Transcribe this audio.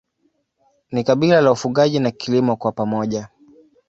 Ni kabila la ufugaji na kilimo kwa pamoja.